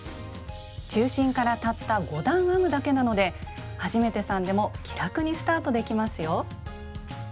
中心からたった５段編むだけなので初めてさんでも気楽にスタートできますよ。